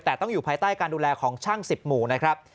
แต่ต้องอยู่ภายใต้การดูแลของช่าง๑๐หมู่นะครับ